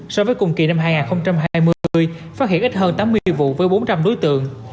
so với cùng kỳ năm hai nghìn hai mươi phát hiện ít hơn tám mươi vụ với bốn trăm linh đối tượng